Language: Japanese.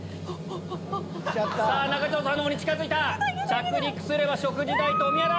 中条さんのほうに近づいた着陸すれば食事代とおみや代！